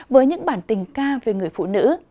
với những bản tình ca về người phụ nữ